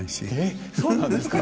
そうなんですか？